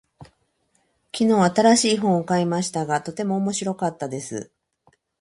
昨日、新しい本を買いましたが、とても面白かったです。